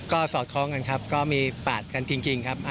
ก็สอดคล้องกันครับก็มีปาดกันจริงครับ